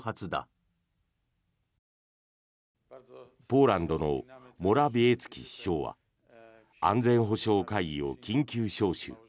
ポーランドのモラビエツキ首相は安全保障会議を緊急招集。